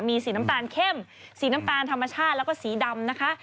มีสีน้ำตาลเข้มสีน้ำตาลธรรมชาติแล้วก็สีดำนะคะ